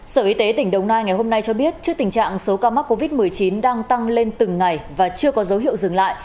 sở y tế tỉnh đồng nai ngày hôm nay cho biết trước tình trạng số ca mắc covid một mươi chín đang tăng lên từng ngày và chưa có dấu hiệu dừng lại